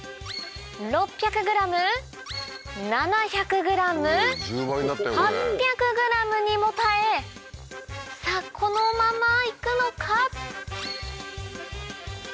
６００ｇ７００ｇ８００ｇにも耐えさぁこのままいくのか？